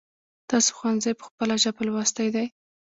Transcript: تاسو ښونځی په خپل ژبه لوستی دی ؟